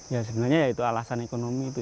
ya sebenarnya ya itu alasan ekonomi itu